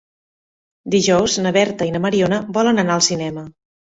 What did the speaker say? Dijous na Berta i na Mariona volen anar al cinema.